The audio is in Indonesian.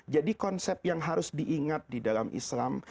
jadi konsep yang harus diingat di dalam islam